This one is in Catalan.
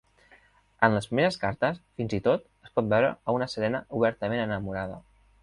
En les primeres cartes, fins i tot, es pot veure a una Serena obertament enamorada.